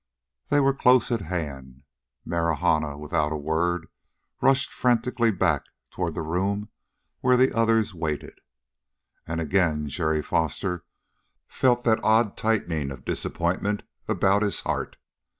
They were close at hand! Marahna, without a word, rushed frantically back toward the room where the others waited. And again Jerry Foster felt that odd tightening of disappointment about his heart.